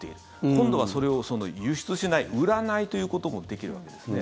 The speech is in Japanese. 今度はそれを輸出しない売らないということもできるわけですね。